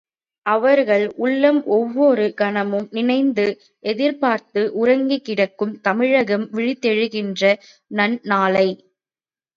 அவர்கள் உள்ளம் ஒவ்வொரு கணமும் நினைந்து எதிர்பார்ப்பது உறங்கிக் கிடக்கும் தமிழகம் விழித்தெழுகின்ற நன் நாளை.